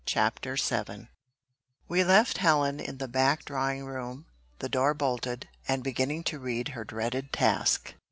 CHAPTER VII We left Helen in the back drawing room, the door bolted, and beginning to read her dreaded task.